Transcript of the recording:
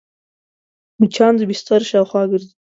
مچان د بستر شاوخوا ګرځي